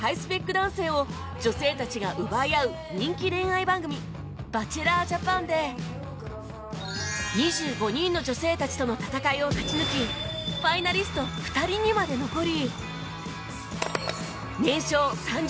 男性を女性たちが奪い合う人気恋愛番組『バチェラー・ジャパン』で２５人の女性たちとの戦いを勝ち抜きファイナリスト２人にまで残り